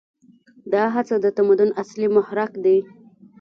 دا هڅه د تمدن اصلي محرک دی.